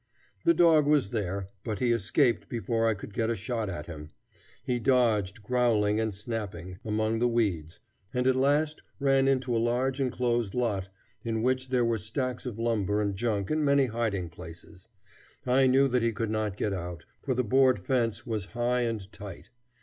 The dog was there; but he escaped before I could get a shot at him. He dodged, growling and snapping, among the weeds, and at last ran into a large enclosed lot in which there were stacks of lumber and junk and many hiding places. I knew that he could not get out, for the board fence was high and tight.